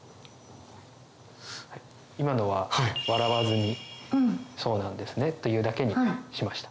今のは笑わずに「そうなんですね」と言うだけにしました。